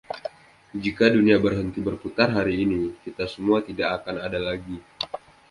Jika dunia berhenti berputar hari ini, kita semua tidak akan ada lagi.